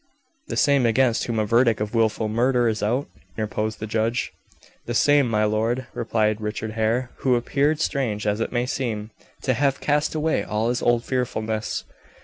"The same against whom a verdict of wilful murder is out?" interposed the judge. "The same, my lord," replied Richard Hare, who appeared, strange as it may seem, to have cast away all his old fearfulness.